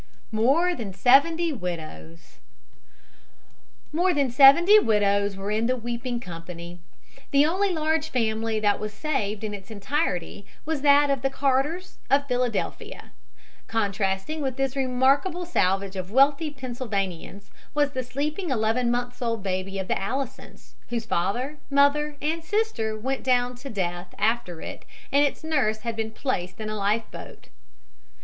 MORE THAN SEVENTY WIDOWS More than seventy widows were in the weeping company. The only large family that was saved in its entirety was that of the Carters, of Philadelphia. Contrasting with this remarkable salvage of wealthy Pennsylvanians was the sleeping eleven months old baby of the Allisons, whose father, mother and sister went down to death after it and its nurse had been placed in a life boat.